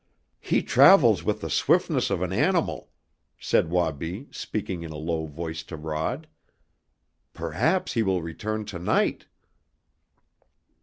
"He travels with the swiftness of an animal," said Wabi, speaking in a low voice to Rod. "Perhaps he will return to night!"